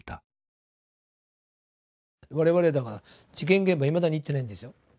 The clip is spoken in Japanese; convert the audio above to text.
我々だから事件現場いまだに行ってないんですよ。